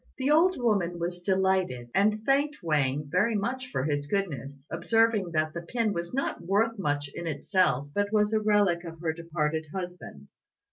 The old woman was delighted, and thanked Wang very much for his goodness, observing that the pin was not worth much in itself, but was a relic of her departed husband.